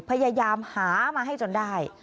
พยายามหามาให้จนได้